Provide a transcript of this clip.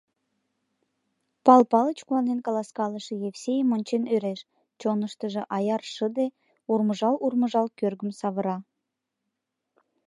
— Пал Палыч куанен каласкалыше Евсейым ончен ӧреш, чоныштыжо аяр шыде, урмыжал-урмыжал, кӧргым савыра.